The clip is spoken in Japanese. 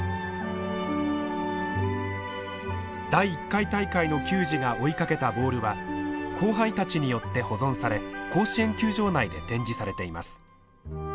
第１回大会の球児が追いかけたボールは後輩たちによって保存され甲子園球場内で展示されています。